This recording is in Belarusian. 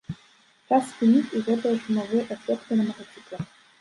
Час спыніць і гэтыя шумавыя эфекты на матацыклах.